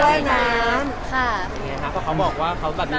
มิโหน่จะไหวเม้อ